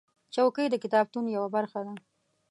چوکۍ د کتابتون یوه برخه ده.